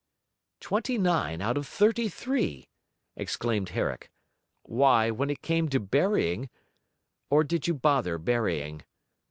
'Twenty nine out of thirty three!' exclaimed Herrick, 'Why, when it came to burying or did you bother burying?'